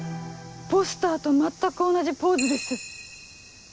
ポスターと全く同じポーズです。